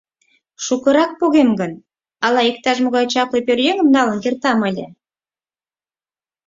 Шукырак погем гын, ала иктаж-могай чапле пӧръеҥым налын кертам ыле?